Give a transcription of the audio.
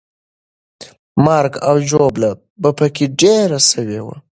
مرګ او ژوبله به پکې ډېره سوې وه.